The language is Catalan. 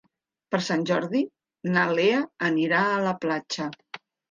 Per Sant Jordi na Lea anirà a la platja.